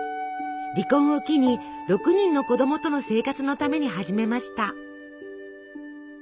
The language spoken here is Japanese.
離婚を機に６人の子供との生活のために始めました。